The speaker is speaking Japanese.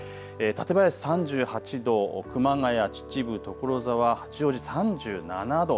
館林３８度、熊谷、秩父、所沢、八王子、３７度。